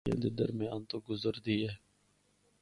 اے سڑک قراقرم پہاڑیاں دے درمیان تو گزردی ہے۔